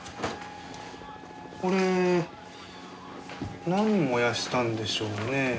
これ何燃やしたんでしょうね？